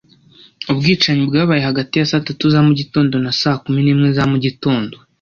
Ubwicanyi bwabaye hagati ya saa tatu za mugitondo na saa kumi n'imwe za mugitondo